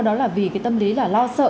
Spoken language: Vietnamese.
đó là vì cái tâm lý là lo sợ